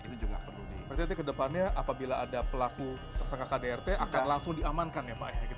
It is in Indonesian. berarti nanti kedepannya apabila ada pelaku tersangka kdrt akan langsung diamankan ya pak